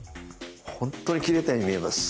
本当に切れたように見えます。